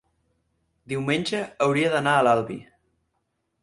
diumenge hauria d'anar a l'Albi.